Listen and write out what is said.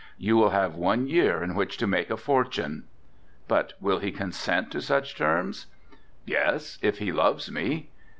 You will have one year in which to make a fortune." "But will he consent to such terms?" "Yes, if he loves me."